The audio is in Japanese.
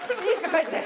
帰って。